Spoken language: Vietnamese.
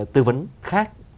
tư vấn khác